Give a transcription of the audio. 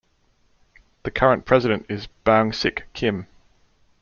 The current president is Boung-Sik, Kim.